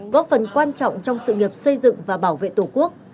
góp phần quan trọng trong sự nghiệp xây dựng và bảo vệ tổ quốc